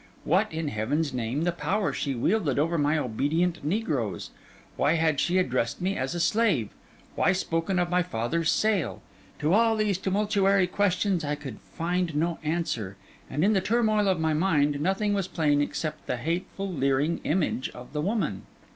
what, in Heaven's name, the power she wielded over my obedient negroes? Why had she addressed me as a slave? why spoken of my father's sale? To all these tumultuary questions I could find no answer; and in the turmoil of my mind, nothing was plain except the hateful leering image of the woman.